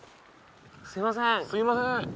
すいませんすいません